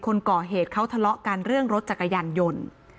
คนก่อเหตุเขาทะเลาะกันเรื่องรถจักรยานยนต์